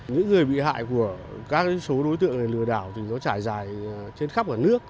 những người bị hại của các số đối tượng lừa đảo thì nó trải dài trên khắp cả nước